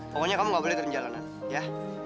pokoknya kamu gak boleh terjalanan ya